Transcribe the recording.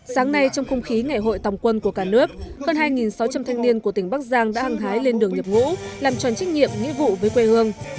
sáng nay trong không khí ngày hội tòng quân của cả nước hơn hai sáu trăm linh thanh niên của tỉnh bắc giang đã hăng hái lên đường nhập ngũ làm tròn trách nhiệm nghĩa vụ với quê hương